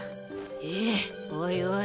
ええおいおい。